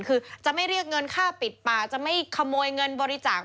คือจะไม่เรียกเงินค่าปิดปากจะไม่ขโมยเงินบริจาค